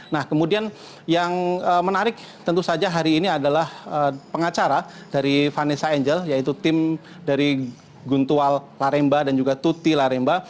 nah kemudian yang menarik tentu saja hari ini adalah pengacara dari vanessa angel yaitu tim dari guntual laremba dan juga tuti laremba